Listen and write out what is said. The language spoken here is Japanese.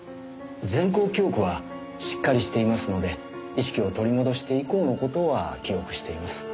前向記憶はしっかりしていますので意識を取り戻して以降の事は記憶しています。